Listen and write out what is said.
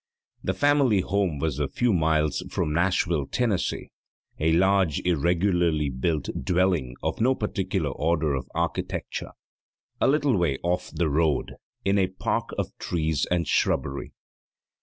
The family home was a few miles from Nashville, Tennessee, a large, irregularly built dwelling of no particular order of architecture, a little way off the road, in a park of trees and shrubbery.